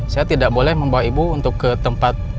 saya tidak boleh membawa ibu untuk ke tempat